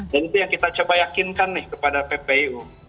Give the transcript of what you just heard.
itu yang kita coba yakinkan nih kepada ppu